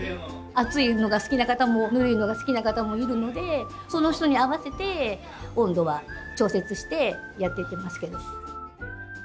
熱いのが好きな方もぬるいのが好きな方もいるのでその人に合わせて温度は調節してやってってますけど。